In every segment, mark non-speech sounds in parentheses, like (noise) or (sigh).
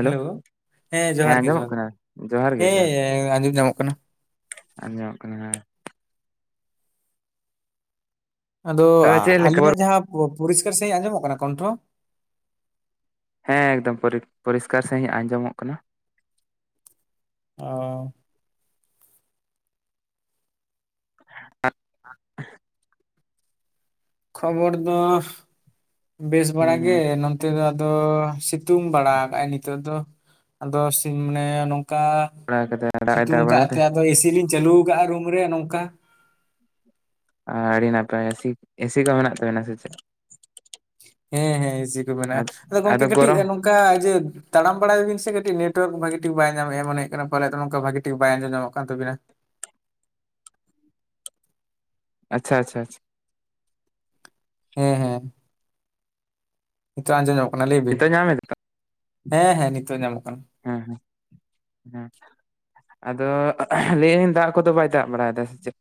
Hello! ᱦᱮᱸ ᱡᱚᱦᱟᱨ ᱜᱮ ᱟᱸᱡᱚᱢᱚᱜ ᱡᱚᱦᱟᱨ ᱜᱮ, ᱠᱟᱱᱟ ᱡᱚᱦᱟᱨ ᱜᱮ ᱡᱚᱦᱟᱨ ᱦᱮᱸ ᱟᱸᱡᱚᱢ ᱧᱟᱢᱚᱜ ᱠᱟᱱᱟ᱾ ᱟᱸᱡᱚᱢᱚᱜ ᱠᱟᱱᱟ ᱦᱮᱸ᱾ ᱟᱫᱚ ᱛᱚᱵᱮ ᱪᱮᱫ ᱞᱮᱠᱟ ᱵᱚᱨ ᱟ-ᱟᱹᱞᱤᱧᱟᱜ ᱡᱟᱦᱟᱸ ᱯᱚ-ᱯᱚᱨᱤᱥᱠᱟᱨ ᱥᱟᱺᱦᱤᱡ ᱟᱸᱡᱚᱢᱚᱜ ᱠᱟᱱᱟ ᱠᱚᱱᱴᱷᱚ? ᱦᱮᱸ ᱮᱠᱫᱚᱢ ᱯᱚᱨᱤ ᱯᱚᱨᱤᱥᱠᱟᱨ ᱥᱟᱺᱦᱤᱡ ᱟᱸᱡᱚᱢᱚᱜ ᱠᱟᱱᱟ᱾ ᱚ᱾ (inaudible) (inaudible) ᱠᱷᱚᱵᱚᱨ ᱫᱚ ᱵᱮᱥ ᱵᱟᱲᱟ ᱦᱩᱸ ᱜᱮ ᱦᱩᱸ ᱱᱚᱱᱛᱮ ᱫᱚ ᱟᱫᱚ ᱥᱤ ᱛᱩᱝ ᱵᱟᱲᱟ ᱟᱠᱟᱫ ᱟᱭ ᱱᱤᱛᱚᱜ ᱫᱚ, ᱟᱫᱚ ᱥᱤᱝ ᱢᱟᱱᱮ ᱱᱚᱝᱠᱟ ᱵᱟᱲᱟ ᱠᱟᱫᱟ ᱫᱟᱜ ᱮ ᱫᱟᱜ ᱥᱤᱛᱩᱝ ᱠᱟᱜ ᱵᱟᱲᱟᱭ ᱫᱟ ᱛᱮ ᱟᱫᱚ ᱮᱥᱤ ᱞᱤᱧ ᱪᱟᱹᱞᱩᱣ ᱠᱟᱜᱼᱟ ᱨᱩᱢ ᱨᱮ ᱱᱚᱝᱠᱟ᱾ ᱟᱻ ᱟᱹᱰᱤ ᱱᱟᱯᱟᱭ ᱥᱤ ᱮᱥᱤ ᱠᱚ ᱢᱮᱱᱟᱜ ᱛᱟᱵᱮᱱᱟ ᱥᱮ ᱪᱮᱫ? ᱦᱮᱸ ᱦᱮᱸ ᱤᱥᱤ ᱠᱚ ᱢᱮᱱᱟᱜᱼᱟ, ᱟᱫᱚ ᱜᱚᱝᱠᱮ ᱠᱟᱹᱴᱤᱡ ᱱᱚᱝ ᱠᱟ ᱡᱮ ᱛᱟᱲᱟᱢ ᱵᱟᱲᱟᱭᱟᱵᱤᱱ ᱥᱮ ᱠᱟᱹᱴᱤᱡ ᱱᱮᱴᱚᱣᱟᱨᱠ ᱵᱷᱟᱜᱤ ᱴᱷᱤᱠ ᱵᱟᱭ ᱧᱟᱢᱮᱜᱼᱟ ᱢᱚᱱᱮ ᱦᱩᱭᱩᱜ ᱠᱟᱱᱟ ᱯᱟᱞᱮᱫ ᱱᱚᱝᱠᱟ ᱵᱷᱟᱜ ᱴᱷᱤᱠ ᱵᱟᱭ ᱟᱸᱡᱚᱢ ᱧᱟᱜ ᱠᱟᱱ ᱛᱟᱵᱤᱱᱟ᱾ ᱟᱪᱪᱷᱟ ᱟᱪᱪᱷᱟ ᱾ ᱦᱮᱸ ᱦᱮᱸ᱾ ᱱᱤᱛᱚᱜ ᱟᱸᱡᱚᱢ ᱧᱟᱢᱚᱜ ᱠᱟᱱᱟ ᱞᱟᱹᱭ ᱵᱤᱱ ᱱᱤᱛᱚᱜ ᱧᱟᱢ ᱮᱫᱟ ᱾ ᱦᱮᱸ ᱦᱮᱸ ᱱᱤᱛᱚᱜ ᱟᱸᱡᱟᱢᱚᱜ ᱠᱟᱱᱟ᱾ ᱦᱮᱸ ᱦᱮᱸ ᱦᱮᱸ᱾ ᱟᱫᱚ ᱞᱟᱹᱭᱟᱹᱧ ᱫᱟᱜ ᱠᱚᱫᱚ ᱵᱟᱭ ᱫᱟᱜ ᱵᱟᱲᱟᱭᱮᱫᱟ ᱥᱮ ᱪᱮᱫ?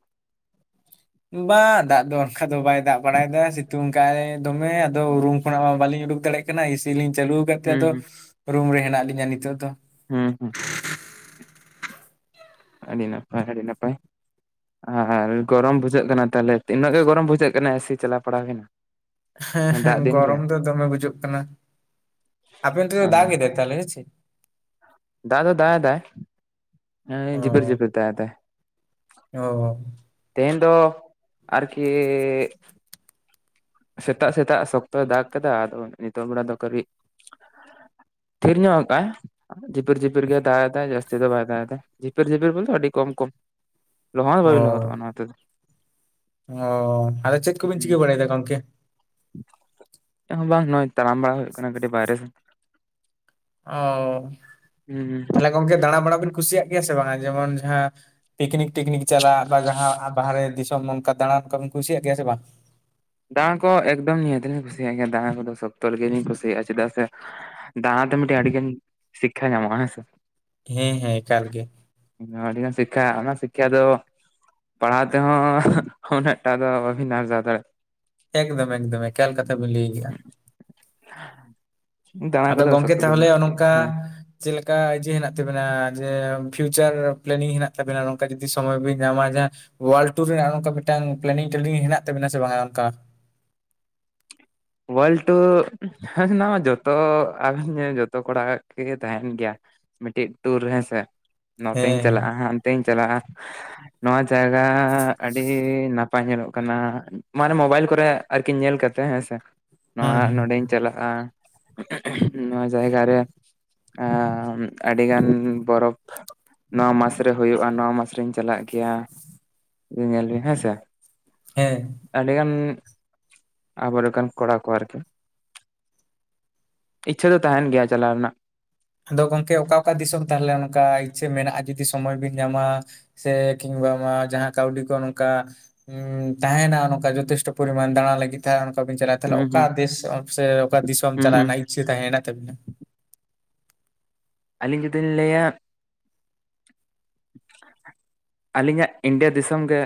ᱵᱟᱝ ᱫᱟᱜ ᱫᱚ ᱚᱱᱠᱟ ᱫᱚ ᱵᱟᱭ ᱫᱟᱜ ᱵᱟᱲᱟᱭᱮᱫᱟ ᱥᱤᱛᱩᱝ ᱠᱟᱭ ᱫᱚᱢᱮ᱾ ᱟᱫᱚ ᱨᱩᱢ ᱠᱷᱚᱱᱟᱜ ᱢᱟ ᱵᱟᱹᱞᱤᱧ ᱩᱰᱩᱠ ᱫᱟᱲᱮᱭᱟᱜ ᱠᱟᱱᱟ ᱮᱥᱤ ᱞᱤᱧ ᱪᱟᱹᱞᱩ ᱠᱟᱫ ᱛᱮ ᱦᱩᱸ ᱟᱫᱚ ᱦᱩᱸ ᱨᱩᱢ ᱨᱮ ᱦᱮᱱᱟᱜ ᱞᱤᱧᱟ ᱱᱤᱛᱚᱜ ᱫᱚ᱾ ᱦᱮᱸ ᱦᱮᱸ᱾ ᱟᱹᱰᱤ ᱱᱟᱯᱟᱭ ᱟᱹᱰᱤ ᱱᱟᱯᱟᱭ, ᱟᱨ ᱜᱚᱨᱚᱢ ᱵᱩᱡᱷᱟᱹᱜ ᱠᱟᱱᱟ ᱛᱟᱦᱚᱞᱮ ᱩᱱᱟᱹᱜ ᱜᱮ ᱜᱚᱨᱚᱢ ᱵᱩᱡᱷᱟᱹᱜ ᱠᱟᱱᱟ ᱮᱥᱤ ᱪᱟᱞᱟᱣ ᱯᱟᱲᱟᱣ ᱦᱩᱭᱱᱟ ᱾ ᱦᱮᱸ ᱦᱮᱸ ᱜᱚᱨᱚᱢ ᱫᱚ ᱫᱚᱢᱮ ᱵᱩᱡᱩᱜ ᱠᱟᱱᱟ ᱾ ᱟᱯᱮ ᱚᱱᱛᱮᱫᱚ ᱫᱟᱜ ᱠᱮᱫᱟᱭ ᱛᱟᱦᱚᱞᱮ ᱦᱮᱸ ᱪᱮ? ᱫᱟᱜ ᱫᱚ ᱫᱟᱜ ᱮᱫᱟᱭ ᱚ ᱦᱩᱸ ᱡᱷᱤᱯᱤᱨ ᱡᱷᱤᱯᱤᱨ ᱫᱟᱜ ᱮᱫᱟᱭ ᱾ ᱚ ᱛᱮᱦᱮᱱ ᱫᱚ ᱟᱨᱠᱤ ᱥᱮᱛᱟᱜ ᱥᱮᱛᱟᱜ ᱥᱚᱠᱛᱚᱭ ᱫᱟᱜ ᱠᱟᱫᱟ ᱟᱫᱚ ᱱᱤᱛᱚᱝ ᱵᱮᱲᱟ ᱫᱚ ᱠᱟᱹᱴᱤᱡ ᱛᱷᱤᱨ ᱧᱚᱜ ᱠᱟᱜᱼᱟᱭ ᱾ ᱡᱷᱤᱯᱤᱨ ᱡᱷᱤᱯᱤᱨ ᱜᱮ ᱫᱟᱜ ᱮᱫᱟᱭ ᱡᱟᱹᱥᱛᱤ ᱫᱚ ᱵᱟᱭ ᱫᱟᱜ ᱮᱫᱟᱭ, ᱡᱷᱤᱯᱤᱨ ᱡᱷᱤᱯᱤᱨ ᱵᱚᱞᱛᱮ ᱟᱰᱤ ᱠᱚᱢ ᱠᱚᱢ ᱾ ᱞᱟᱦᱚᱜ ᱦᱚᱸ ᱵᱟᱵᱤᱱ ᱞᱟᱦᱚᱫ ᱚᱱᱟᱛᱮ ᱫᱚ ᱾ ᱚᱻ, ᱛᱟᱞᱦᱮ ᱪᱮᱫ ᱠᱚᱵᱤᱱ ᱪᱤᱠᱟᱹ ᱵᱟᱲᱟᱭᱫᱟ ᱜᱚᱝᱠᱮ? ᱪᱮᱜ ᱦᱚᱸ ᱵᱟᱝ᱾ ᱱᱚᱜ-ᱚᱭ ᱛᱟᱲᱟᱢ ᱵᱟᱲᱟ ᱦᱩᱭᱩᱜ ᱠᱟᱱᱟ ᱠᱟᱹᱴᱤᱡ ᱵᱟᱭᱨᱮ ᱥᱮᱫ᱾ ᱚᱻ ᱦᱩᱸ ᱛᱟᱞᱦᱮ ᱜᱚᱝᱠᱮ ᱫᱟᱬᱟ ᱵᱟᱲᱟ ᱵᱤᱱ ᱠᱩᱥᱤᱭᱟᱜ ᱜᱮᱭᱟ ᱥᱮ ᱵᱟᱝ? ᱡᱮᱢᱚᱱ ᱡᱟᱦᱟᱸ ᱯᱤᱠᱱᱤᱠ ᱴᱤᱠᱱᱤᱠ ᱪᱟᱞᱟᱜ ᱵᱟ ᱡᱟᱦᱟᱸ ᱵᱟᱦᱨᱮ ᱫᱤᱥᱚᱢ ᱚᱱᱠᱟ ᱫᱟᱬᱟᱱ ᱠᱚᱢ ᱠᱩᱥᱤᱭᱟᱜ ᱜᱮᱭᱟ ᱥᱮ ᱵᱟᱝ? ᱫᱟᱬᱟᱱ ᱠᱚ ᱮᱠᱫᱚᱢ ᱱᱤᱦᱟᱹᱛᱞᱤᱧ ᱠᱩᱥᱤᱭᱟᱜ ᱜᱮᱭᱟ ᱫᱟᱬᱟ ᱠᱚᱫᱚ ᱥᱚᱠᱛᱚ ᱨᱮᱜᱮᱤᱧ ᱠᱩᱥᱤᱭᱟᱜ-ᱟ ᱪᱮᱫᱟᱜ ᱥᱮ ᱫᱟᱬᱟᱛᱮ ᱢᱤᱫᱴᱮᱡ ᱟᱹᱰᱤᱜᱟᱱ ᱥᱤᱠᱠᱷᱟ ᱧᱟᱢᱜ-ᱟ ᱦᱮᱸ ᱥᱮ᱾ ᱦᱮᱸ ᱦᱮᱸ, ᱮᱠᱟᱞ ᱜᱮ᱾ ᱱᱚᱣᱟ ᱟᱹᱰᱤ ᱜᱟᱱ ᱥᱤᱠᱠᱷᱟ, ᱚᱱᱟ ᱥᱤᱠᱠᱷᱟ ᱫᱚ ᱯᱟᱲᱦᱟᱣ ᱛᱮᱦᱚᱸ ᱩᱱᱟᱹᱜᱴᱟ ᱫᱚ ᱵᱟᱵᱤᱱ ᱟᱨᱡᱟᱣ ᱫᱟᱲᱮᱜ ᱮᱠᱫᱚᱢ ᱮᱠᱫᱚᱢ, ᱮᱠᱟᱞ ᱠᱟᱛᱷᱟ ᱵᱤᱱ ᱞᱟᱹᱭ ᱠᱮᱜ-ᱟ᱾ ᱫᱟᱬᱟ ᱟᱫᱚ ᱠᱚᱫᱚ ᱜᱚᱝᱠᱮ ᱥᱚᱠᱛᱚ ᱜᱮᱞᱤᱧ ᱛᱟᱦᱚᱞᱮ ᱱᱚᱝᱠᱟ ᱠᱩᱥᱤᱭᱟᱜ-ᱟ ᱦᱮᱸ᱾ ᱪᱮᱫ ᱞᱮᱠᱟ ᱤᱭᱟᱹ ᱦᱮᱱᱟᱜ ᱛᱟᱵᱤᱱᱟ ᱡᱮ ᱯᱷᱤᱭᱩᱪᱟᱨ ᱯᱞᱮᱱᱤᱝ ᱦᱮᱱᱟᱜ ᱛᱟᱵᱮᱱᱟ ᱜᱚᱝᱠᱮ ᱡᱩᱫᱤ ᱥᱚᱢᱚᱭ ᱵᱤᱱ ᱧᱟᱢᱟ ᱡᱟᱦᱟᱸ ᱚᱣᱟᱨᱞᱰ ᱴᱩᱨ ᱨᱮᱱᱟᱜ ᱱᱚᱝᱠᱟ ᱢᱤᱫᱴᱟᱝ ᱯᱞᱮᱱᱤᱝ ᱴᱞᱮᱱᱤᱝ ᱦᱮᱱᱟᱜ ᱛᱟᱵᱤᱱᱟ ᱥᱮ ᱵᱟᱝᱟ ᱚᱝᱠᱟ? ᱚᱣᱟᱨᱞᱰ ᱴᱩᱻ ᱩᱱᱟᱢᱟ ᱡᱚᱛᱚ, (unintelligible) ᱡᱚᱛᱚ ᱠᱚᱲᱟᱣᱟᱜ ᱜᱮ ᱛᱟᱦᱮᱱ ᱜᱮᱭᱟ᱾ ᱢᱤᱫᱴᱤᱡ ᱴᱩᱨ ᱦᱮᱸ ᱥᱮ᱾ ᱱᱚᱛᱮᱧ ᱦᱮᱸ ᱦᱮᱸ ᱪᱟᱞᱟᱜ-ᱟ, ᱦᱟᱱᱛᱮᱧ ᱪᱟᱞᱟᱜ-ᱟ, ᱱᱚᱣᱟ ᱡᱟᱭᱜᱟ ᱟᱹᱰᱤ ᱱᱟᱯ ᱱᱟᱯᱟᱭ ᱧᱮᱞᱚᱜ ᱠᱟᱱᱟ ᱢᱟᱱᱮ ᱢᱳᱵᱟᱭᱤᱞ ᱠᱚᱨᱮ ᱟᱨᱠᱤ ᱧᱮᱞ ᱠᱟᱛᱮ ᱦᱮᱸ ᱥᱮ᱾ ᱱᱚᱣᱟ ᱦᱩᱸ ᱦᱩᱸ ᱱᱚᱸᱰᱮᱧ ᱪᱟᱞᱟᱜ-ᱟ, ᱱᱚᱣᱟ ᱡᱟᱭᱜᱟ ᱨᱮ᱾ ᱟᱢᱻ ᱟᱹᱰᱤ ᱜᱟᱱ ᱵᱚᱨᱚᱯᱷ ᱱᱚᱣᱟ ᱢᱟᱥ ᱨᱮ ᱦᱩᱭᱩᱜ-ᱟ, ᱱᱚᱣᱟ ᱢᱟᱥᱨᱮᱧ ᱪᱟᱞᱟᱜ ᱜᱮᱭᱟ᱾ ᱧᱮᱞ ᱵᱤᱱ ᱦᱮᱸ ᱥᱮ᱾ ᱦᱮᱸ᱾ ᱟᱹᱰᱤ ᱜᱟᱱ ᱟᱵᱚᱨᱮᱠᱟᱱ ᱠᱚᱲᱟ ᱠᱚ ᱟᱨᱠᱤ, ᱤᱪᱪᱷᱟᱹ ᱫᱚ ᱛᱟᱦᱮᱱ ᱜᱮᱭᱟ ᱪᱟᱞᱟᱣ ᱨᱮᱱᱟᱜ ᱟᱫᱚ ᱜᱚᱝᱠᱮ ᱚᱠᱟ ᱚᱠᱟ ᱫᱤᱥᱚᱢ ᱛᱟᱦᱞᱮ ᱚᱱᱠᱟ ᱤᱪᱪᱷᱟᱹ ᱢᱮᱱᱟᱜ-ᱟ ᱡᱩᱫᱤ ᱥᱚᱢᱚᱭ ᱵᱤᱱ ᱧᱟᱢᱟ? ᱥᱮ ᱠᱤᱢᱵᱟ ᱟᱢᱟ ᱡᱟᱦᱟᱸ ᱠᱟᱹᱣᱰᱤ ᱠᱚ ᱱᱚᱝᱠᱟ ᱩᱸᱻ ᱛᱟᱦᱮᱱᱟ ᱚᱱᱠᱟ ᱡᱚᱛᱷᱮᱥᱴᱚ ᱯᱚᱨᱤᱢᱟᱱ ᱫᱟᱬᱟ ᱞᱟᱹᱜᱤᱫ᱾ ᱛᱷᱟ ᱚᱝᱠᱟ ᱵᱤᱱ ᱪᱟᱞᱟᱜ-ᱟ, ᱛᱟᱦᱞᱮ ᱦᱩᱸ ᱚᱠᱟ ᱦᱩᱸ ᱫᱮᱥ ᱥᱮ ᱚᱠᱟ ᱫᱤᱥᱚᱢ ᱦᱩᱸ ᱪᱟᱞᱟᱜ ᱦᱩᱸ ᱨᱮᱱᱟᱜ ᱤᱪᱪᱷᱟᱹ ᱛᱟᱦᱮᱸ ᱦᱮᱱᱟᱜ ᱛᱟᱵᱤᱱᱟ? ᱟᱹᱞᱤᱧ ᱡᱩᱫᱤᱞᱤᱧ ᱞᱟᱹᱭᱟ ᱟᱹᱞᱤᱧᱟᱜ ᱤᱱᱰᱤᱭᱟ ᱫᱤᱥᱚᱢ ᱜᱮ᱾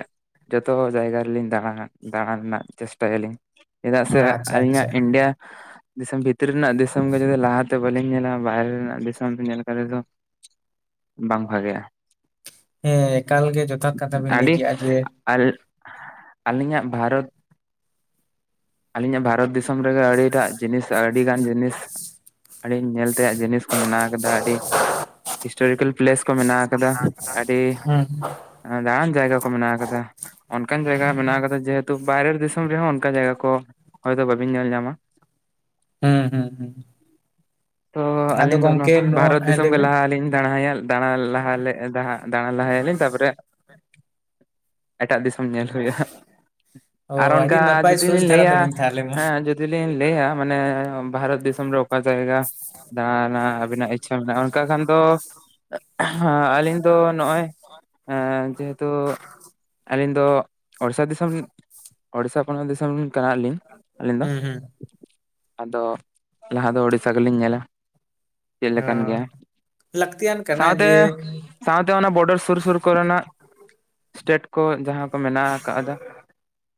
ᱡᱚᱛᱚ ᱡᱟᱭᱜᱟ ᱨᱮᱞᱤᱧ ᱫᱟᱬᱟ ᱫᱟᱬᱟ ᱨᱮᱱᱟᱜ ᱪᱮᱥᱴᱟᱭᱟᱞᱤᱧ, ᱪᱮᱫᱟᱜ ᱥᱮ ᱟᱪᱪᱷᱟ ᱟᱪᱪᱷᱟ ᱟᱹᱞᱤᱧᱟᱜ ᱤᱱᱰᱤᱭᱟ ᱫᱤᱥᱚᱢ ᱵᱷᱤᱛᱨᱤ ᱨᱮᱱᱟᱜ ᱫᱤᱥᱚᱢ ᱜᱮ ᱡᱩᱫᱤ ᱞᱟᱦᱟᱛᱮ ᱵᱟᱹᱞᱤᱧ ᱧᱮᱞᱟ ᱵᱟᱭᱨᱮ ᱨᱮᱱᱟᱜ ᱫᱤᱥᱚᱢ ᱧᱮᱞ ᱠᱟᱛᱮᱫ ᱫᱚ ᱵᱟᱝ ᱵᱷᱟᱜᱮᱜ-ᱟ᱾ ᱦᱮᱸ ᱮᱠᱟᱞ ᱜᱮ ᱡᱚᱛᱷᱟᱛ ᱠᱟᱛᱷᱟ ᱵᱤᱱ ᱞᱟᱹᱭ ᱠᱮᱜ-ᱟ ᱡᱮ ᱟᱨ ᱟᱹᱞᱤᱧᱟᱜ ᱵᱷᱟᱨᱚᱛ ᱟᱹᱞᱤᱧᱟᱜ ᱵᱷᱟᱨᱚᱛ ᱫᱤᱥᱚᱢ ᱨᱮᱜᱮ ᱟᱹᱰᱤᱴᱟᱜ ᱡᱤᱱᱤᱥ ᱟᱹᱰᱤᱜᱟᱱ ᱡᱤᱱᱤᱥ ᱟᱹᱞᱤᱧ ᱧᱮᱞ ᱛᱮᱭᱟᱜ ᱡᱤᱱᱤᱥ ᱠᱚ ᱢᱮᱱᱟᱜ ᱟᱠᱟᱫᱟ ᱟᱹᱰᱤ ᱦᱤᱥᱴᱨᱤᱠᱮᱞ ᱯᱞᱮᱥ ᱠᱚ ᱢᱮᱱᱟᱜ ᱚᱱᱟ ᱠᱚᱫᱚ ᱦᱩᱸ᱾ ᱦᱮᱸ, ᱫᱟᱲᱟᱱ ᱡᱟᱭᱜᱟ ᱠᱚ ᱢᱮᱱᱟᱜ ᱟᱠᱟᱫᱟ᱾ ᱚᱱᱠᱟᱱ ᱡᱟᱭᱜᱟ ᱢᱮᱱᱟᱜ ᱟᱠᱟᱫᱟ ᱡᱮᱦᱮᱛᱩ ᱵᱟᱭᱨᱮ ᱫᱤᱥᱚᱢ ᱨᱮᱦᱚᱸ ᱚᱝᱠᱟ ᱡᱟᱭᱜᱟ ᱠᱚ ᱦᱳᱭᱛᱳ ᱵᱟᱹᱵᱤᱱ ᱧᱮᱞ ᱧᱟᱢᱟ᱾ ᱦᱩᱸ ᱦᱩᱸ ᱦᱩᱸ᱾ ᱛᱚ ᱟᱫᱚ ᱟᱹᱞᱤᱧ ᱫᱚ ᱱᱚ ᱜᱚᱝᱠᱮ ᱱᱚᱣᱟ ᱵᱷᱟᱨᱚᱛ ᱦᱮᱸ ᱫᱤᱥᱚᱢ ᱞᱟᱹᱭ ᱜᱮ ᱵᱤᱱ ᱞᱟᱦᱟᱞᱤᱧ ᱫᱟᱬᱟᱭᱟ ᱫᱟᱬᱟ ᱞᱟᱦᱟ ᱞᱮᱜ ᱫᱟᱬᱟ ᱞᱟᱦᱟᱭᱟᱞᱤᱧ ᱛᱟᱯᱚᱨᱮ ᱮᱴᱟᱜ ᱫᱤᱥᱚᱢ ᱧᱮᱞ ᱦᱩᱭᱩᱜ-ᱟ ᱦᱟᱸᱜ᱾ ᱚ ᱟᱨ ᱟᱹᱰᱤ ᱚᱱᱠᱟ ᱱᱟᱯᱟᱭ ᱡᱩᱫᱤ ᱥᱚᱡᱽ ᱞᱤᱧ ᱫᱷᱟᱨᱟ ᱞᱟᱹᱭᱟ ᱛᱟᱵᱤᱱ ᱛᱟᱦᱚᱞᱮ ᱢᱟ ᱦᱮ ᱡᱩ ᱫᱤᱞᱤᱝ ᱞᱟᱹᱭᱟ ᱢᱟᱱᱮ ᱵᱷᱟᱨᱚᱛ ᱫᱤᱥᱳᱢ ᱨᱮ ᱚᱠᱟ ᱡᱟᱭᱜᱟ ᱫᱟᱬᱟᱸ ᱨᱮᱱᱟᱜ ᱟᱹᱵᱮᱱᱟᱜ ᱤᱪᱷᱟᱹ ᱢᱮᱱᱟᱜ-ᱟ ᱚᱱᱠᱟ ᱠᱷᱟᱱ ᱫᱚ ᱟᱹᱞᱤᱧ ᱫᱚ ᱱᱚᱜ-ᱚᱭ ᱮᱸ ᱡᱮᱦᱮᱛᱩ ᱟᱹᱞᱤᱧ ᱫᱚ ᱚᱲᱤᱥᱟ ᱫᱤᱥᱚᱢ ᱚᱲᱤᱥᱟ ᱯᱚᱱᱚᱛ ᱫᱤᱥᱚᱢ ᱮᱱ ᱠᱟᱱᱟᱞᱤᱧ ᱟᱹᱞᱤᱧᱫᱚ, ᱦᱩᱸ ᱦᱩᱸ ᱟᱫᱚ ᱞᱟᱦᱟ ᱫᱚ ᱳᱲᱤᱥᱥᱟ ᱜᱮᱞᱤᱧ ᱧᱮᱞᱟ, ᱪᱮᱫ ᱞᱮᱠᱟᱱ ᱚᱸ ᱜᱮᱭᱟ ᱞᱟᱹᱠᱛᱤᱭᱟᱱ ᱠᱟᱱᱟ ᱥᱟᱶᱛᱮ ᱡᱮ ᱥᱟᱶᱛᱮ ᱚᱱᱟ ᱵᱚᱰᱟᱨ ᱥᱩᱨ ᱥᱩᱨ ᱠᱚᱨᱮᱱᱟᱜ ᱥᱴᱮᱴ ᱠᱚ ᱡᱟᱦᱟᱸ ᱠᱚ ᱢᱮᱱᱟᱜ ᱟᱠᱟᱫᱟ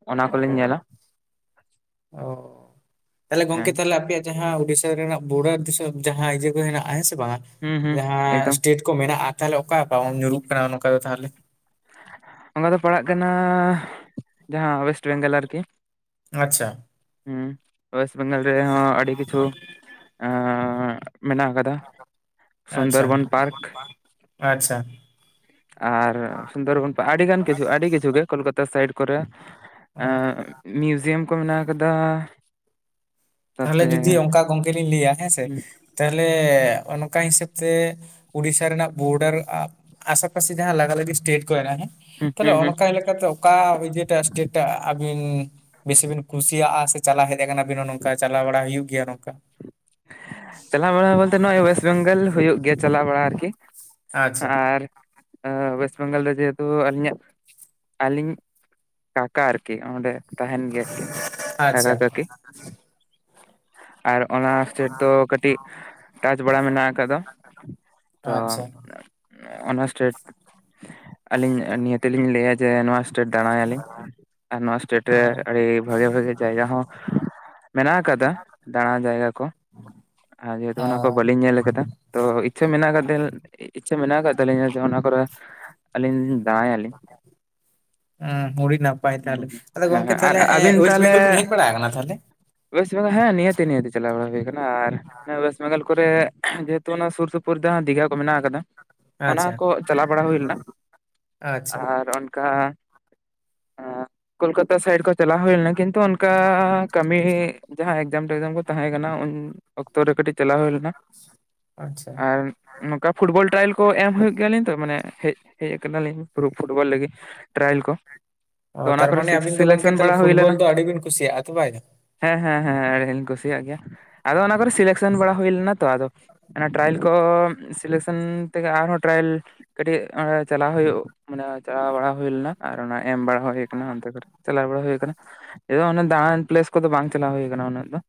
ᱚᱱᱟ ᱠᱚᱞᱤᱧ ᱧᱮᱞᱟ, ᱚ ᱛᱟᱦᱞᱮ ᱜᱚᱝᱠᱮ ᱦᱮᱸ ᱛᱟᱦᱞᱮ ᱟᱯᱮᱭᱟᱜ ᱡᱟᱦᱟᱸ ᱩᱰᱤᱥᱥᱟ ᱨᱮᱱᱟᱜ ᱵᱳᱰᱟᱨ ᱫᱤᱥᱚᱢ ᱡᱟᱦᱟᱸ ᱤᱭᱟᱹ ᱠᱚ ᱦᱮᱱᱟᱜ-ᱟ ᱦᱮᱸ ᱥᱮ ᱵᱟᱝ ᱦᱩᱸ ᱦᱩᱸ ᱡᱟᱦᱟᱸ ᱮᱠᱫᱚᱢ ᱥᱴᱮᱴ ᱠᱚ ᱢᱮᱱᱟᱜ-ᱟ ᱛᱟᱦᱞᱮ ᱚᱠᱟ ᱟᱠᱟ ᱧᱩᱨᱩᱜ ᱠᱟᱱᱟ ᱱᱚᱝᱠᱟ ᱫᱚ ᱛᱟᱦᱞᱮ? ᱚᱝᱠᱟ ᱫᱚ ᱯᱟᱲᱟᱜ ᱠᱟᱱᱟ ᱡᱟᱦᱟᱸ ᱚᱣᱮᱥᱴ ᱵᱮᱝᱜᱮᱞ ᱟᱨᱠᱤ, ᱟᱪᱪᱷᱟ ᱦᱩᱸ ᱚᱣᱮᱥᱴ ᱵᱮᱝᱜᱟᱞ ᱨᱮᱦᱚᱸ ᱟᱹᱰᱤ ᱠᱤᱪᱷᱩ ᱮᱸᱻ ᱢᱮᱱᱟᱜ ᱟᱠᱟᱫᱟ ᱥᱩᱱᱫᱚᱨᱵᱚᱱ ᱯᱟᱨᱠᱷ ᱟᱪᱷᱟ ᱟᱨ ᱥᱩᱱᱫᱚᱨᱵᱚᱱ ᱟᱹᱰᱤᱜᱟᱱ ᱠᱤᱪᱷᱩ ᱟᱹᱰᱤ ᱠᱤᱪᱷᱩ ᱜᱮ ᱠᱳᱞᱠᱟᱛᱟ ᱥᱟᱭᱤᱴ ᱠᱚᱨᱮ ᱮᱸᱜ ᱢᱤᱭᱩᱡᱤᱭᱟᱢ ᱠᱚ ᱢᱮᱱᱟᱣ ᱟᱠᱟᱫᱟ, ᱛᱟᱦᱚᱞᱮ ᱛᱟᱯᱚᱨᱮ ᱡᱩᱫᱤ ᱚᱝᱠᱟ ᱜᱚᱢᱠᱮ ᱞᱤᱧ ᱞᱮᱹᱭᱟ ᱦᱮᱸᱥᱮ ᱦᱩᱸ ᱛᱟᱦᱞᱮ ᱚᱱᱠᱟ ᱦᱤᱸᱥᱟᱹᱯ ᱛᱮ ᱩᱰᱤᱥᱥᱟ ᱨᱮᱱᱟᱜ ᱵᱳᱰᱟᱨ ᱟᱥᱮ ᱯᱟᱥᱮ ᱡᱟᱦᱟᱸ ᱞᱟᱜᱟᱞᱟᱹᱜᱤ ᱥᱴᱮᱴ ᱠᱚ ᱦᱮᱸᱱᱟᱜᱟ ᱦᱮᱸ ᱦᱩᱸ ᱛᱟᱦᱞᱮ ᱦᱩᱸ ᱚᱱᱠᱟ ᱞᱮᱠᱟᱛᱮ ᱚᱠᱟ ᱤᱡᱟᱹᱴᱟᱜ ᱥᱴᱮᱴᱟᱜ ᱟᱹᱵᱤᱱ ᱵᱤᱥᱤᱵᱮᱱ ᱠᱩᱥᱤᱭᱟᱜ-ᱟ ᱥᱮ ᱪᱟᱞᱟᱣ ᱦᱮᱡ ᱠᱟᱱᱟᱵᱤᱱ ᱚᱱᱚ ᱠᱟ ᱪᱟᱞᱟᱣ ᱵᱟᱲᱟ ᱦᱩᱭᱩᱜ ᱜᱮᱭᱟ ᱱᱚᱠᱟ ᱪᱟᱞᱟᱣ ᱵᱟᱲᱟ ᱵᱚᱞᱛᱮ ᱱᱚᱜ-ᱚᱭ ᱚᱣᱮᱥᱴ ᱵᱮᱝᱜᱟᱞ ᱦᱩᱭᱩᱜ ᱜᱮᱭᱟ ᱪᱟᱞᱟᱣ ᱵᱟᱲᱟ ᱟᱨᱠᱤ, ᱟᱪᱪᱷᱟ ᱟᱨ ᱚᱣᱮᱥᱴ ᱵᱮᱝᱜᱟᱞ ᱡᱮᱦᱮᱛᱩ ᱟᱹᱞᱤᱧᱤᱟᱜ ᱟᱹᱞᱤᱧ ᱠᱟᱠᱟ ᱟᱨᱠᱤ ᱚᱸᱰᱮ ᱛᱟᱦᱮᱱ ᱜᱮᱜ ᱠᱤᱱ ᱠᱟᱠᱟ ᱟᱪᱪᱷᱟ ᱠᱟᱹᱠᱤ ᱟᱨ ᱚᱸ ᱪᱮᱴ ᱫᱚ ᱠᱟᱹᱴᱤᱜ ᱴᱟᱪ ᱵᱟᱲᱟ ᱢᱮᱱᱟᱜ ᱟᱠᱟᱫᱟ ᱛᱚ ᱟᱪᱪᱷᱟ ᱚᱱᱟ ᱥᱴᱮᱴ ᱟᱹᱞᱤᱧ ᱱᱤᱭᱟᱹ ᱛᱮᱞᱤᱧ ᱞᱟᱹᱭᱟ ᱡᱮ ᱱᱚᱣᱟᱥ ᱥᱴᱮᱴ ᱫᱟᱬᱟᱭᱟᱞᱤᱧ ᱟᱨ ᱱᱚᱣᱟ ᱥᱴᱮᱴ ᱨᱮ ᱟᱹᱰᱤ ᱵᱷᱟᱸᱜᱮ ᱵᱷᱟᱜᱮ ᱡᱟᱭᱜᱟ ᱦᱚᱸ ᱢᱮᱱᱟᱜ ᱟᱠᱟᱫᱟ ᱫᱟᱬᱟᱸ ᱡᱟᱭᱜᱟ ᱠᱚ, ᱟᱨ ᱡᱮᱦᱮᱛᱩ ᱚᱱᱟᱠᱚ ᱵᱟᱹᱞᱤᱧ ᱧᱮᱞ ᱟᱠᱟᱫᱟ ᱛᱚ ᱤᱪᱪᱷᱟᱹ ᱢᱮᱱᱟᱜ ᱟᱠᱟᱜ ᱛᱟᱹᱞ ᱤᱪᱷᱟᱹ ᱢᱮᱱᱟᱜ ᱟᱠᱟᱫ ᱛᱟᱹᱤᱧᱟ ᱡᱮ ᱚᱱᱟ ᱯᱚᱨᱮ ᱟᱹᱞᱤᱧ ᱫᱟᱬᱟᱸᱭᱟᱞᱤᱧ, ᱦᱩᱸ ᱟᱹᱰᱤ ᱱᱟᱯᱟᱭ ᱛᱟᱦᱚᱞᱮ ᱟᱫᱚ ᱦᱮᱸ ᱜᱚᱝᱠᱮ ᱟᱨ ᱛᱟᱦᱚᱞᱮ ᱟᱹᱵᱤᱱ ᱳᱭᱮᱥᱴ ᱛᱟᱦᱞᱮ ᱵᱮᱝᱜᱚᱞ ᱵᱤᱱ ᱦᱮᱡ ᱵᱟᱲᱟ ᱟᱠᱟᱱᱟ ᱛᱟᱦᱚᱞᱮ ᱚᱣᱮᱥᱴ ᱵᱮᱝᱜᱚ ᱦᱮ ᱱᱤᱦᱟᱹᱛᱤ ᱱᱤᱦᱟᱹᱛᱤ ᱪᱟᱞᱟᱣ ᱵᱟᱲᱟ ᱦᱩᱭ ᱠᱟᱱᱟ ᱟᱨ ᱚᱭᱮᱥᱴ ᱵᱮᱝᱜᱟᱞ ᱠᱚᱨᱮᱜ ᱡᱮᱦᱮᱛᱩ ᱚᱱᱟ ᱥᱩᱨ ᱥᱩᱨᱯᱩᱨ ᱛᱮᱦᱟᱸ ᱫᱤᱜᱷᱦᱟ ᱠᱚ ᱢᱮᱱᱟᱜ ᱟᱠᱟᱫᱟ ᱚᱱᱟ ᱟᱪᱪᱷᱟ ᱠᱚ ᱪᱟᱞᱟᱣ ᱵᱟᱲᱟ ᱦᱩᱭ ᱞᱮᱱᱟ ᱟᱪᱪᱷᱟ ᱟᱨ ᱚᱱᱠᱟ ᱠᱳᱞᱠᱟᱛᱟ ᱥᱟᱭᱤᱰ ᱠᱚ ᱪᱟᱞᱟᱣ ᱦᱩᱭ ᱞᱮᱱᱟ ᱠᱤᱱᱛᱩ ᱚᱱᱠᱟ ᱠᱟᱹᱢᱤ ᱡᱟᱦᱟᱸ ᱮᱠᱡᱟᱢ ᱴᱮᱠᱡᱟᱢ ᱠᱚ ᱛᱟᱦᱮᱸ ᱠᱟᱱᱟ ᱩᱱ ᱚᱠᱛᱚᱨᱮ ᱠᱟᱹᱴᱤᱡ ᱪᱟᱞᱟᱣ ᱦᱩᱭ ᱞᱮᱱᱟ, ᱟᱪᱪᱷᱟ ᱟᱨᱸ ᱱᱚᱠᱟ ᱯᱷᱩᱴᱵᱚᱞ ᱴᱨᱟᱭᱮᱞ ᱠᱚ ᱮᱢ ᱦᱩᱭᱩᱜ ᱜᱮᱭᱟᱞᱤᱧ ᱛᱚ ᱢᱟᱱᱮ ᱦᱮᱜ ᱦᱮᱡ ᱠᱟᱱᱟᱞᱤᱧ ᱯᱷᱩ ᱯᱷᱩᱴᱵᱚᱞ ᱞᱟᱹᱜᱤᱫ, ᱴᱨᱟᱭᱮᱞ ᱠᱚ ᱛᱚ ᱚ ᱚᱱᱟ ᱠᱚᱨᱮ ᱛᱟᱨᱢᱟᱱᱮ ᱥᱤᱠᱥ ᱟᱵᱤᱱ ᱫᱚ ᱜᱚᱝᱠᱮ ᱥᱤᱞᱮᱠᱥᱚᱱ ᱛᱟᱞᱮ ᱵᱟᱲᱟ ᱦᱩᱭ ᱞᱮᱱᱟ ᱯᱷᱩᱴᱵᱚᱞ ᱫᱚ ᱟᱹᱰᱤ ᱵᱤᱱ ᱠᱩᱥᱤᱭᱟᱜ-ᱟ ᱛᱷᱚ ᱵᱟᱭᱟ ᱦᱮᱸ ᱦᱮᱸ ᱦᱮᱸ ᱟᱹᱰᱤᱝ ᱠᱩᱥᱤᱭᱟᱜ ᱜᱮᱭᱟ ᱟᱫᱚ ᱚᱱᱟ ᱠᱚᱨᱮ ᱥᱤᱞᱮᱠᱥᱮᱱ ᱵᱟᱲᱟ ᱦᱩᱭ ᱞᱮᱱᱟ ᱛᱚ ᱟᱫᱚ ᱚᱱᱟ ᱴᱨᱟᱭᱮᱞ ᱠᱚ ᱥᱤᱞᱮᱠᱥᱮᱱ ᱛᱮᱜᱮ ᱟᱨᱦᱚᱸ ᱴᱨᱟᱭᱮᱞ ᱠᱟᱹᱴᱤᱜ ᱚᱸᱬᱮ ᱪᱟᱞᱟᱣ ᱦᱩᱭᱩᱜ ᱢᱟᱱᱮ ᱪᱟᱞᱟᱣ ᱵᱟᱲᱟ ᱦᱩᱭᱞᱱᱟ ᱟᱨ ᱚᱱᱟ ᱮᱢ ᱵᱟᱲᱟ ᱦᱩᱭ ᱠᱟᱱᱟ ᱚᱱᱛᱮ ᱠᱚᱨᱮ, ᱪᱟᱞᱟᱣ ᱵᱟᱲᱟ ᱦᱩᱭ ᱠᱟᱱᱟ᱾ ᱞᱮᱭ ᱫᱚ ᱚᱱᱮ ᱫᱟᱬᱟᱱ ᱯᱞᱮᱥ ᱠᱚᱫᱚ ᱵᱟᱝ ᱪᱟᱞᱟᱣ ᱦᱩᱭ ᱠᱟᱱᱟ ᱩᱱᱟᱹᱜ ᱫᱚ᱾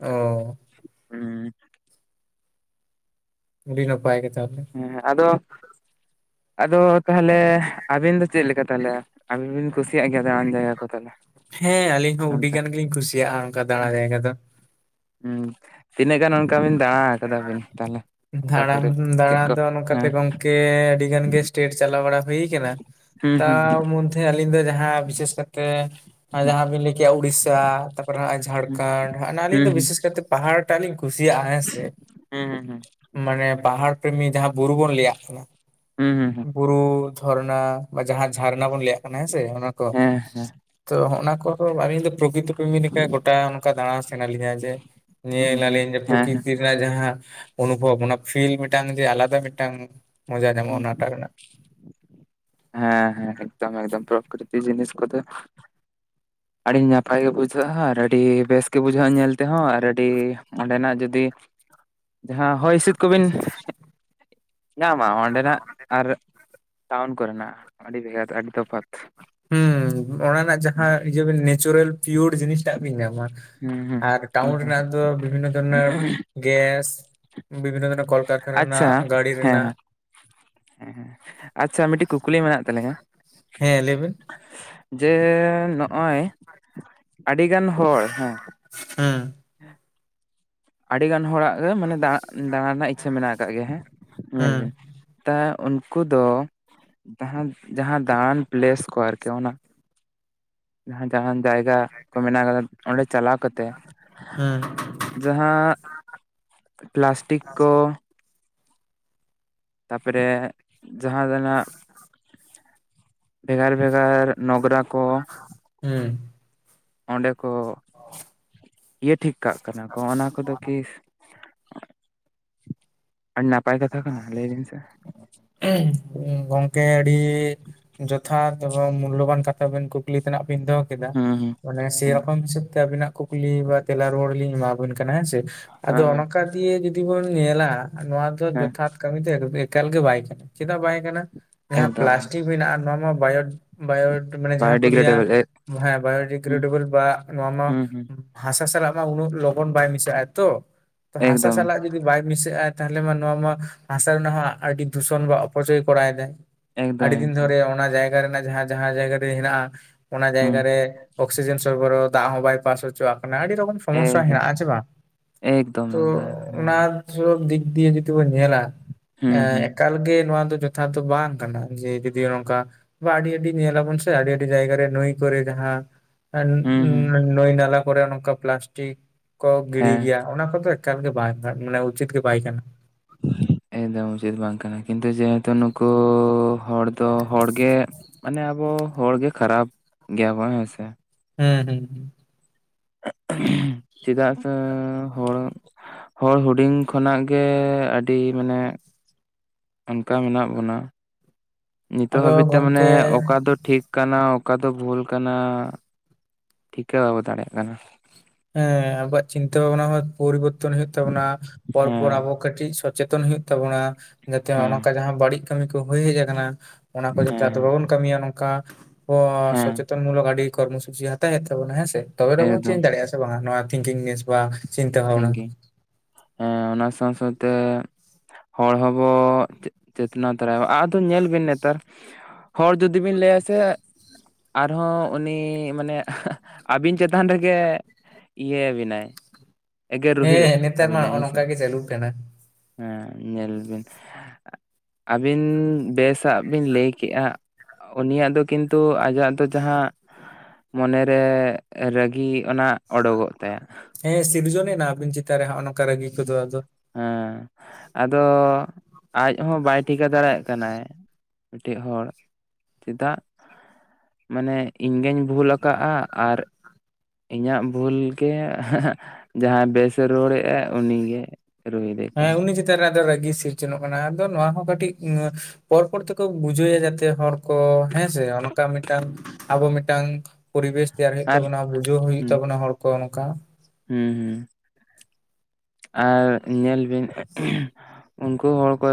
ᱚ᱾ ᱦᱩᱸ᱾ ᱟᱹᱰᱤ ᱱᱟᱯᱟᱭ ᱜᱮ ᱛᱟᱦᱚᱞᱮ᱾ ᱦᱮᱸ ᱟᱫᱚ ᱟᱫᱚ ᱛᱟᱦᱚᱞᱮ ᱟᱵᱤᱱ ᱫᱚ ᱪᱮᱜ ᱞᱮᱠᱟ ᱛᱟᱦᱚᱞᱮ? ᱟᱵᱤᱱ ᱵᱤᱱ ᱠᱩᱥᱤᱭᱟᱜ ᱜᱮᱭᱟ ᱫᱟᱬᱟᱱ ᱡᱟᱭᱜᱟ ᱠᱚ ᱛᱟᱦᱞᱮ᱾ ᱦᱮᱸ ᱟᱹᱞᱤᱧ ᱦᱚᱸ ᱩᱰᱤ ᱜᱟᱱ ᱜᱮᱞᱤᱧ ᱠᱩᱥᱤᱭᱟᱜ-ᱟ ᱚᱱᱠᱟ ᱫᱟᱬᱟ ᱡᱟᱭᱜᱟ ᱫᱚ᱾ ᱦᱩᱸ᱾ ᱛᱤᱱᱟᱹᱜ ᱜᱟᱱ ᱚᱱᱠᱟ ᱵᱤᱱ ᱫᱟᱬᱟ ᱠᱟᱫᱟ ᱵᱤᱱ ᱛᱟᱦᱚᱞᱮ? ᱚᱠᱟ ᱫᱟᱬᱟᱱ ᱠᱚᱨᱮ ᱪᱮᱫ ᱫᱟᱬᱟ ᱠᱚ ᱫᱚ ᱱᱚᱝᱠᱟ ᱦᱮᱸ ᱛᱮ ᱜᱚᱝᱠᱮ᱾ ᱜᱮ ᱟᱹᱰᱤ ᱜᱟᱱ ᱜᱮ ᱮᱥᱴᱮᱴ ᱪᱟᱞᱟᱣ ᱵᱟᱲᱟ ᱦᱩᱭ ᱠᱟᱱᱟ᱾ ᱦᱩᱸ ᱦᱩᱸ ᱛᱟᱣ ᱢᱩᱱ ᱛᱮ ᱟᱹᱞᱤᱧ ᱫᱚ ᱡᱟᱦᱟᱸ ᱵᱤᱥᱮᱥ ᱠᱟᱨᱛᱮ ᱟ ᱡᱟᱦᱟᱸ ᱵᱤᱱ ᱞᱟᱹᱭ ᱠᱮᱜ-ᱟ ᱩᱲᱤᱥᱥᱟ᱾ ᱛᱟᱯᱚᱨ ᱦᱟᱸᱜ-ᱚᱭ ᱡᱷᱟᱲᱠᱚᱸᱰ ᱦᱚᱸᱜ ᱚᱱᱟ ᱟᱞᱤᱧ ᱦᱩᱸ ᱫᱚ ᱦᱩᱸ ᱵᱤᱥᱮᱥ ᱠᱟᱭᱛᱮ ᱯᱟᱦᱟᱲ ᱴᱟᱜ ᱞᱤᱧ ᱠᱩᱥᱤᱭᱟᱜ-ᱟ ᱦᱮᱸ ᱥᱮ᱾ ᱦᱮᱸ ᱦᱮᱸ ᱦᱮᱸ᱾ ᱢᱟᱱᱮ ᱯᱟᱦᱟᱲ ᱯᱨᱮᱢᱤ ᱡᱟᱦᱟᱸ ᱵᱩᱨᱩ ᱵᱚᱱ ᱞᱟᱹᱭᱟᱜ ᱠᱟᱱᱟ᱾ ᱦᱩᱸ ᱦᱩᱸ ᱦᱩᱸ ᱵᱩᱨᱩ, ᱡᱷᱚᱨᱱᱟ ᱵᱟ ᱡᱟᱦᱟᱸ ᱡᱷᱟᱨᱱᱟ ᱵᱚᱱ ᱞᱟᱹᱭᱟᱜ ᱠᱟᱱᱟ ᱦᱮᱸ ᱥᱮ ᱚᱱᱟ ᱠᱚ᱾ ᱦᱮᱸ ᱦᱮᱸ ᱛᱚ ᱦᱚᱸᱜ-ᱚᱱᱟ ᱠᱚᱫᱚ ᱟᱞᱤᱧ ᱫᱚ ᱯᱨᱚᱠᱤᱛᱚ ᱯᱨᱢᱤ ᱞᱮᱠᱟ ᱜᱚᱴᱟ ᱚᱱᱠᱟ ᱫᱟᱬᱟᱥ ᱥᱟᱱᱟ ᱞᱤᱧᱟ ᱡᱮ ᱦᱩᱸ ᱧᱮᱞᱟ ᱦᱩᱸ ᱞᱟᱞᱤᱧ ᱦᱮᱸ ᱦᱮᱸ ᱯᱨᱚᱠᱤᱛᱤ᱾ ᱨᱮᱱᱟᱜ ᱡᱟᱦᱟᱸ ᱚᱱᱩᱵᱷᱚᱵᱽ ᱚᱱᱟ ᱯᱷᱤᱞ ᱢᱤᱫᱴᱟᱝ ᱡᱮ ᱟᱞᱟᱫᱟ ᱢᱤᱫᱴᱟᱝ ᱢᱚᱡᱟ ᱧᱟᱢᱚᱜ-ᱟ ᱚᱱᱟ ᱴᱟᱜ ᱨᱮᱱᱟᱜ᱾ ᱦᱮᱸ ᱦᱮᱸ ᱮᱠᱫᱚᱢ ᱮᱠᱫᱚᱢ ᱯᱨᱚᱠᱨᱤᱛᱤ ᱡᱤᱱᱤᱥ ᱠᱚᱫᱚ ᱟᱲᱤ ᱱᱟᱯᱟᱭ ᱜᱮ ᱵᱩᱡᱷᱟᱹᱜ-ᱟ ᱟᱨ ᱟᱹᱰᱤ ᱵᱮᱥ ᱜᱮ ᱵᱩᱡᱷᱟᱹᱜ-ᱟ ᱧᱮᱞ ᱛᱮᱦᱚᱸ ᱟᱨ ᱟᱹᱰᱤ ᱚᱸᱰᱮ ᱱᱟᱜ ᱡᱩᱫᱤ ᱡᱟᱦᱟᱸ ᱦᱚᱭ ᱦᱤᱸᱥᱤᱫ ᱠᱚᱵᱤᱱ ᱧᱟᱢᱟ ᱚᱸᱰᱮ ᱱᱟᱜ ᱟᱨ ᱴᱟᱣᱩᱱ ᱠᱚᱨᱮᱱᱟᱜ ᱟᱹᱰᱤ ᱵᱷᱮᱜᱟᱨ ᱟᱹᱰᱤ ᱛᱚᱯᱷᱟᱛ᱾ ᱦᱩᱸ ᱚᱱᱟ ᱨᱮᱱᱟᱜ ᱦᱩᱸ ᱡᱟᱦᱟᱸ ᱤᱭᱟᱹ ᱵᱤᱱ ᱱᱮᱪᱚᱨᱮᱞ ᱯᱤᱭᱩᱨ ᱡᱤᱱᱤᱥ ᱴᱟᱜ ᱵᱤᱱ ᱧᱟᱢᱟ᱾ ᱦᱩᱸ ᱟᱨ ᱴᱟᱣᱩᱱ ᱮᱠᱫᱚᱢ ᱨᱮᱱᱟᱜ ᱫᱚ ᱵᱤᱵᱷᱤᱱᱱᱚ ᱫᱷᱚᱨᱱᱚᱨ ᱜᱮᱥ᱾ ᱵᱤᱵᱷᱤᱱᱱᱚ ᱫᱷᱚᱨᱚᱱᱮᱨ ᱠᱚᱞ ᱠᱟᱨᱠᱷᱟᱱᱟ ᱟᱪᱪᱷᱟ ᱨᱮᱱᱟᱜ ᱜᱟᱹᱲᱤ, ᱦᱮᱸ ᱨᱮᱱᱟᱜ ᱦᱮᱸ ᱦᱮᱸ ᱦᱮᱸ᱾ ᱟᱪᱪᱷᱟ ᱢᱤᱫᱴᱤᱡ ᱠᱩᱠᱞᱤ ᱢᱮᱱᱟᱜ ᱛᱟᱹᱞᱤᱧᱟ᱾ ᱦᱮᱸ ᱞᱟᱹᱭ ᱵᱮᱱ᱾ ᱡᱮ ᱱᱚᱜ-ᱚᱭ ᱟᱰᱤ ᱜᱟᱱ ᱦᱚᱲ ᱦᱮᱸ᱾ ᱦᱩᱸ᱾ (inaudible) ᱟᱰᱤ ᱜᱟᱱ ᱦᱚᱲᱟᱜ ᱜᱮ ᱢᱟᱱᱮ ᱫᱟᱬᱟᱜ ᱫᱟᱬᱟ ᱨᱮᱱᱟᱜ ᱤᱪᱪᱷᱟ ᱢᱮᱱᱟᱜ ᱟᱠᱟᱜ ᱜᱮᱭᱟ ᱦᱮᱸ ᱧᱮᱞ ᱦᱩᱸ ᱵᱤᱱ᱾ ᱛᱟ ᱩᱱᱠᱩ ᱫᱚ ᱫᱟᱦᱟᱸ ᱡᱟᱦᱟᱸ ᱫᱟᱬᱟᱱ ᱯᱞᱮᱥ ᱠᱚ ᱟᱨᱠᱤ ᱚᱱᱟ ᱡᱟᱦᱟᱸ ᱡᱟᱦᱟᱸᱱ ᱡᱟᱭᱜᱟ ᱠᱚ ᱢᱮᱱᱟᱜ ᱟᱠᱟᱫᱟ ᱚᱸᱰᱮ ᱪᱟᱞᱟᱣ ᱠᱟᱛᱮ ᱦᱩᱸ ᱡᱟᱦᱟᱸ ᱯᱞᱟᱥᱴᱤᱠ ᱠᱚ ᱛᱟᱯᱚᱨᱮ ᱡᱟᱦᱟᱸ ᱫᱚ ᱱᱟᱜ ᱵᱷᱮᱜᱟᱨ ᱵᱷᱮᱜᱟᱨ ᱱᱚᱜᱽᱨᱟ ᱠᱚ᱾ ᱦᱩᱸ᱾ ᱚᱸᱰᱮ ᱠᱚ ᱤᱭᱟᱹ ᱴᱷᱤᱠ ᱠᱟᱜ ᱠᱟᱱᱟ ᱠᱚ ᱚᱱᱟ ᱠᱚᱫᱚ ᱠᱤ ᱟᱹᱰᱤ ᱱᱟᱯᱟᱭ ᱠᱟᱛᱷᱟ ᱠᱟᱱᱟ ᱞᱟᱹᱭ ᱵᱤᱱ ᱥᱮ? ᱜᱚᱝᱠᱮ ᱟᱹᱰᱤ ᱡᱚᱛᱷᱟᱛ ᱮᱵᱚᱝ ᱢᱩᱞᱞᱚᱵᱟᱱ ᱠᱟᱛᱷᱟ ᱵᱤᱱ ᱠᱩᱠᱞᱤ ᱛᱮᱱᱟᱜ ᱵᱤᱱ ᱫᱚᱦᱚ ᱠᱮᱫᱟ ᱦᱩᱸ ᱦᱩᱸ ᱢᱟᱱᱮ ᱥᱮᱭ ᱮᱠᱫᱚᱢ ᱨᱚᱠᱚᱢ ᱦᱤᱥᱟᱹᱵᱽ ᱛᱮ ᱟᱵᱤᱱᱟᱜ ᱠᱩᱠᱞᱤ ᱵᱟ ᱛᱮᱞᱟ ᱨᱩᱣᱟᱹᱲ ᱞᱤᱧ ᱮᱢᱟ ᱵᱤᱱ ᱠᱟᱱᱟ ᱦᱮᱸ ᱥᱮ᱾ ᱟᱫᱚ ᱦᱮᱸ ᱚᱱᱠᱟ ᱜᱮ ᱡᱩᱫᱤ ᱵᱚᱱ ᱧᱮᱞᱟ ᱱᱚᱣᱟ ᱫᱚ ᱦᱮᱸ ᱡᱚᱛᱼᱼ ᱟᱫᱽ ᱠᱟᱢᱤ‌ ᱫᱚ ᱮᱠ‌ᱫᱚ ᱮᱠᱟᱞ ᱜᱮ ᱵᱟᱭ ᱜᱟᱱᱟ ᱪᱮᱫᱟᱜ ᱵᱟᱭ ᱜᱟᱱᱟ ᱡᱟᱦᱟᱸ ᱮᱠᱫᱚᱢ ᱯᱞᱟᱥᱴᱤᱠ ᱦᱩᱭ ᱱᱟ ᱟᱨ ᱱᱚᱣᱟ ᱢᱟ ᱵᱟᱭᱳᱰ ᱵᱟᱭᱳ‌ᱰ ᱢᱟᱱᱮ ᱡᱟᱦᱟᱸ ᱠᱚ ᱞᱟᱹᱭᱟ ᱵᱟᱭᱳᱰᱤᱜᱨᱮᱰᱮᱵᱚᱞ ᱮ ᱵᱟ ᱦᱮᱸ ᱵᱟᱭᱳ ᱦᱩᱸ ᱰᱤᱜᱨᱮᱰᱮᱵᱚᱞ ᱵᱟ ᱱᱚᱣᱟ ᱢᱟ ᱦᱩᱸ ᱦᱩᱸ ᱦᱟᱥᱟ ᱥᱟᱞᱟᱜ ᱢᱟ ᱩᱱᱟᱹᱜ ᱞᱚᱜᱚᱱ ᱵᱟᱭ ᱢᱮᱥᱟᱜ-ᱟ ᱛᱚ, ᱛᱚ ᱦᱟᱥᱟ ᱮᱠᱫᱚᱢ ᱥᱟᱞᱟᱜ ᱡᱩᱫᱤ ᱡᱩᱫᱤ ᱵᱟᱭ ᱢᱤᱥᱟᱹᱜ-ᱟ ᱛᱟᱦᱚᱞᱮ ᱢᱟ ᱱᱚᱣᱟ ᱢᱟ ᱦᱟᱥᱟ ᱨᱮᱱᱟᱜ ᱦᱚᱸ ᱟᱰᱤ ᱫᱩᱥᱚᱱ ᱵᱟ ᱚᱯᱚᱪᱚᱭ ᱠᱚᱨᱟᱣ ᱫᱟᱭ ᱾ ᱮᱠᱫᱚᱢ ᱟᱰᱤ ᱫᱤᱱ ᱮᱠᱫᱚᱢ ᱫᱷᱚᱨᱮ ᱚᱱᱟ ᱡᱟᱭᱜᱟ ᱨᱮᱱᱟᱜ ᱡᱟᱦᱟᱸ ᱡᱟᱭᱜᱟ ᱨᱮ ᱦᱮᱱᱟᱜ-ᱟ ᱚᱱᱟ ᱦᱩᱸ ᱡᱟᱭᱜᱟ ᱨᱮ ᱚᱠᱥᱤᱡᱮᱱ ᱥᱚᱨᱵᱚᱨ ᱦᱚᱸ ᱫᱟᱜ ᱦᱚᱸ ᱵᱟᱭ ᱯᱟᱥ ᱚᱪᱚᱣᱟᱜ ᱠᱟᱱᱟ ᱟᱰᱤ‌ ᱨᱚᱠᱚᱢ ᱥᱚᱢᱚᱥᱥᱟ ᱮᱠᱫᱚᱢ ᱦᱮᱱᱟᱜ-ᱟ ᱪᱮ ᱵᱟᱝ ᱮᱠᱫᱚᱢ ᱛᱚ ᱫᱟ ᱦᱮᱸ ᱚᱱᱟ ᱥᱚᱵ ᱫᱤᱠ ᱫᱤᱭᱮ ᱡᱩᱫᱤ ᱵᱚᱱ ᱧᱮᱞᱟ ᱦᱩᱸ ᱮᱸ ᱦᱩᱸ ᱮᱠᱟᱞ ᱜᱮ ᱱᱚᱣᱟ ᱫᱚ ᱡᱚᱛᱷᱟᱛ ᱫᱚ ᱵᱟᱝ ᱠᱟᱱᱟ ᱡᱮ ᱡᱩᱫᱤ ᱱᱚᱝᱠᱟ ᱱᱚᱣᱟ ᱟᱹᱰᱤ ᱟᱹᱰᱤ ᱧᱮᱞᱟᱵᱚᱱ ᱥᱮ ᱟᱹᱰᱤ ᱟᱹᱰᱤ ᱡᱟᱭᱜᱟ ᱨᱮ ᱱᱩᱭ ᱠᱚᱨᱮ ᱡᱟᱦᱟᱸ ᱦᱩᱸ ᱦᱩᱸ (unintelligible) ᱱᱟᱹᱭ ᱱᱟᱞᱟ ᱠᱚᱨᱮ ᱱᱚᱝᱠᱟ ᱯᱞᱟᱥᱴᱤᱠ ᱠᱚ ᱜᱤᱲᱤ ᱦᱮᱸ ᱜᱮᱭᱟ ᱚᱱᱟ ᱠᱚᱫᱚ ᱮᱠᱟᱞ ᱜᱮ ᱵᱟᱭ ᱢᱟᱱᱮ ᱩᱪᱤᱛ ᱜᱮ ᱵᱟᱭ ᱠᱟᱱᱟ ᱾ ᱮᱠᱫᱚᱢ ᱩᱪᱤᱛ ᱵᱟᱝ ᱠᱟᱱᱟ ᱠᱤᱱᱛᱩ ᱡᱮᱦᱮᱛᱩ ᱱᱩᱠᱩ ᱦᱚᱲ ᱛᱚ ᱦᱚᱲᱜᱮ ᱢᱟᱱᱮ ᱟᱵᱚ ᱦᱚᱲᱜᱮ ᱠᱷᱟᱨᱟᱯ ᱜᱮᱭᱟᱵᱚ ᱦᱮᱸ ᱥᱮ ᱾ ᱦᱩᱸ ᱦᱩᱸ ᱾ (unintelligible) ᱪᱮᱫᱟᱜ ᱥᱮ ᱦᱚᱲ ᱦᱚᱲ ᱦᱩᱰᱤᱧ ᱠᱷᱚᱱᱟᱜ ᱜᱮ ᱟᱹᱰᱤ ᱢᱟᱱᱮ ᱚᱱᱠᱟ ᱢᱮᱱᱟᱜ ᱵᱚᱱᱟ, ᱱᱤᱛᱚᱜ ᱟᱫᱚ ᱦᱟᱹᱵᱤᱡ ᱛᱮ ᱢᱟᱱᱮ ᱜᱚᱝᱠᱮ ᱚᱠᱟ ᱫᱚ ᱴᱷᱤᱠ ᱠᱟᱱᱟ ᱚᱠᱟ ᱫᱚ ᱵᱷᱩᱞ ᱠᱟᱱᱟ ᱴᱷᱤᱠᱟᱹ ᱵᱟᱵᱚ ᱫᱟᱲᱮᱭᱟᱜ ᱠᱟᱱᱟ ᱾ ᱦᱮᱸ ᱟᱵᱚᱣᱟᱜ ᱪᱤᱱᱛᱟᱹ ᱵᱷᱟᱵᱱᱟ ᱦᱚᱸ ᱯᱚᱨᱤᱵᱚᱨᱛᱚᱱ ᱦᱩᱭᱩᱜ ᱛᱟᱵᱚᱱᱟ ᱯᱚᱨᱯᱚᱨ ᱦᱮᱸ ᱟᱵᱚ ᱠᱟᱹᱴᱤᱡ ᱥᱚᱪᱮᱛᱚᱱ ᱦᱩᱭᱩᱜ ᱛᱟᱵᱚᱱᱟ ᱡᱟᱛᱮ ᱦᱚᱜ-ᱚ ᱦᱮᱸ ᱱᱚᱝᱠᱟ ᱡᱟᱦᱟᱸ ᱵᱟᱹᱲᱤᱡ ᱠᱟᱹᱢᱤ ᱠᱚ ᱦᱩᱭ ᱦᱮᱡ ᱟᱠᱟᱱᱟ ᱚᱱᱟ ᱠᱚ ᱡᱟᱛᱮ ᱟᱫᱚ ᱦᱮᱸ ᱵᱟᱵᱚᱱ ᱠᱟᱹᱢᱤᱭᱟ ᱱᱚᱝᱠᱟ ᱠᱚ ᱦᱮᱸ ᱥᱚᱪᱮᱛᱚ ᱛᱚᱱ ᱢᱩᱞᱚᱠ ᱟᱹᱰᱤ ᱠᱚᱨᱢᱚ ᱥᱩᱪᱤ ᱦᱟᱛᱟᱣ ᱦᱩᱭᱩᱜ ᱛᱟᱵᱚᱱᱟ ᱦᱮᱸ ᱥᱮ, ᱛᱚᱵᱮ ᱫᱚᱵᱚ ᱮᱠᱫᱚᱢ ᱪᱮᱧᱡᱽ ᱫᱟᱲᱮᱜᱼᱟ ᱥᱮ ᱵᱟᱝ-ᱟ? ᱱᱚᱣᱟ ᱛᱤᱝᱠᱤᱝ ᱱᱮᱥ ᱵᱟ ᱪᱤᱱᱛᱟᱹ ᱵᱷᱟᱵᱱᱟ ᱛᱷᱤᱝᱠᱤᱝ, ᱦᱮᱸ ᱚᱱᱟ ᱥᱟᱶ ᱥᱟᱶᱛᱮ ᱦᱚᱲ ᱦᱚᱸᱵᱚ ᱪᱮᱛᱱᱟ (unintelligible) ᱟᱫᱚ ᱧᱮᱞ ᱵᱤᱱ ᱱᱮᱛᱟᱨ ᱦᱚᱲ ᱡᱩᱫᱤ ᱵᱤᱱ ᱞᱟᱹᱭᱟ ᱥᱮ ᱟᱨᱦᱚᱸ ᱩᱱᱤ ᱢᱟᱱᱮ (unintelligible) ᱟᱹᱵᱤᱱ ᱪᱮᱛᱟᱱ ᱨᱮᱜᱮ ᱤᱭᱟᱹᱣ ᱟᱵᱤᱱᱟᱭ ᱮᱜᱮᱨ ᱨᱩᱦᱤᱫ ᱦᱮᱸ ᱱᱮᱛᱟᱨ ᱢᱟ ᱟᱹᱵᱤᱱᱟᱭ ᱱᱚᱜᱼᱚ ᱦᱮᱸ ᱥᱮ, ᱱᱚᱝᱠᱟ ᱜᱮ ᱪᱟᱹᱞᱩᱜ ᱠᱟᱱᱟ ᱦᱮᱸ ᱧᱮᱞ ᱵᱤᱱ ᱾ ᱟ ᱟᱹᱵᱤᱱ ᱵᱮᱥᱟᱜ ᱵᱤᱱ ᱞᱟᱹᱭ ᱠᱮᱜᱼᱟ ᱩᱱᱤᱭᱟᱜ ᱫᱚ ᱠᱤᱱᱛᱩ ᱟᱡᱟᱜ ᱫᱚ ᱡᱟᱦᱟᱸ ᱢᱚᱱᱮ ᱨᱮ ᱨᱟᱹ ᱜᱤ ᱚᱱᱟ ᱳᱰᱳᱠᱚᱜ ᱛᱟᱭᱟ ᱾ ᱦᱮᱸ ᱥᱤᱨᱡᱚᱱᱮᱱᱟ ᱟᱵᱤᱱ ᱪᱮᱛᱟᱱ ᱨᱮ ᱦᱚᱜᱼᱚ ᱱᱚᱝᱠᱟ ᱨᱟᱹᱜᱤ ᱠᱚᱫᱚ ᱟᱫᱚ ᱾ ᱦᱮᱸ ᱟᱫᱚ ᱟᱡ ᱦᱚᱸ ᱵᱟᱭ ᱴᱷᱤᱠᱟᱹ ᱫᱟᱲᱮᱭᱟᱜ ᱠᱟᱱᱟᱭ ᱢᱤᱫᱴᱤᱡ ᱦᱚᱲ ᱪᱮᱫᱟᱜ ᱢᱟᱱᱮ ᱤᱧ ᱜᱮᱧ ᱵᱷᱩᱞ ᱟᱠᱟᱫᱼᱟ ᱟᱨ ᱤᱧᱟᱹᱜ ᱵᱷᱩᱞ ᱜᱮ ᱦᱮᱸ ᱦᱮᱸᱜ ᱡᱟᱦᱟᱸᱭ ᱵᱮᱥᱮ ᱨᱚᱮ ᱮᱜᱼᱟᱭ ᱩᱱᱤ ᱜᱮ ᱦᱮᱸ ᱩᱱᱤ ᱪᱮᱛ ᱨᱮ ᱟᱫᱚ ᱨᱟᱹᱜᱤ ᱥᱤᱨᱡᱚᱱᱚᱜ ᱠᱟᱱᱟ, ᱟᱫᱚ ᱱᱚᱣᱟ ᱦᱚᱸ ᱠᱟᱹᱴᱤᱡ ᱯᱚᱨ ᱯᱚᱨ ᱛᱮᱠᱚ ᱵᱩᱡᱷᱟᱹᱣᱟ ᱡᱟᱛᱮ ᱦᱚᱲ ᱠᱚ ᱦᱮᱸᱥᱮ ᱚᱱᱠᱟ ᱢᱤᱫᱴᱟᱝ ᱟᱵᱚ ᱢᱤᱫᱴᱟᱝ ᱯᱚᱨᱤᱵᱮᱥ ᱛᱮᱭᱟᱨ ᱦᱩᱭᱩᱜ ᱟᱨ ᱛᱟᱵᱚᱱᱟ ᱵᱩᱡᱷᱟᱹᱣ ᱦᱩᱭᱩᱜ ᱦᱩᱸ ᱛᱟᱵᱚᱱᱟ ᱦᱚᱲ ᱠᱚ ᱚᱱᱚᱠᱟ ᱾ ᱦᱩᱸ ᱦᱩᱸ ᱾ ᱟᱨ ᱧᱮᱞ ᱵᱤᱱ (unintelligible) ᱩᱱᱠᱩ ᱦᱚᱲ ᱠᱚ